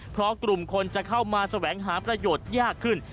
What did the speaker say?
เพราะกลุ่มคนจะเข้ามาแสวงหาประโยชน์ยากขึ้น